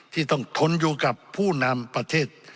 ที่ต้องทนอยู่กับผู้นำประเทศ